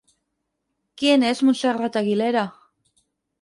¿Quién es Montserrat Aguilera?